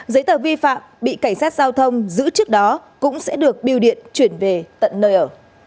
giấy tờ vi phạm bị cảnh sát giao thông giữ trước đó cũng sẽ được biêu điện chuyển về tận nơi ở